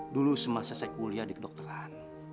dulu semasa saya kuliah di kedokteran